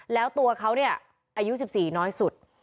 แล้วตัวเขาเนี่ยอายุ๑๔น้อยสุด